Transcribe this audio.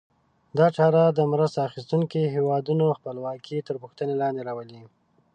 دا چاره د مرسته اخیستونکو هېوادونو خپلواکي تر پوښتنې لاندې راولي.